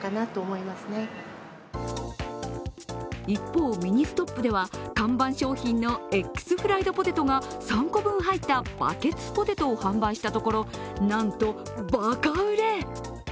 一方、ミニストップでは看板商品のＸフライドポテトが３個分入ったバケツポテトを販売したところ、なんとばか売れ。